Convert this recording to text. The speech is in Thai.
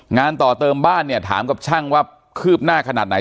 ต่อเติมบ้านเนี่ยถามกับช่างว่าคืบหน้าขนาดไหน